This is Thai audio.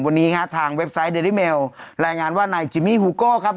วันนี้ฮะทางเว็บไซต์เดริเมลรายงานว่านายจิมมี่ฮูโก้ครับ